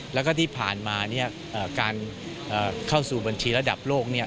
แล้วก็ที่ผ่านมาการเข้าสู่บัญชีระดับโลก